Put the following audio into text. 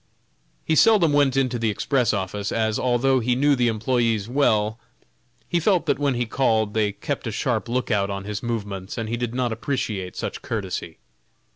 He seldom went into the express office, as, although he knew the employés well, he felt that when he called they kept a sharp lookout on his movements, and he did not appreciate such courtesy.